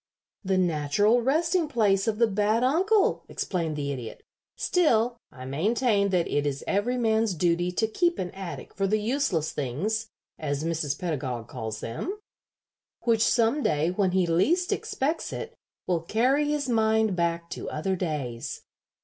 "The natural resting place of the bad uncle," explained the Idiot. "Still, I maintain that it is every man's duty to keep an attic for the useless things, as Mrs. Pedagog calls them, which some day, when he least expects it, will carry his mind back to other days.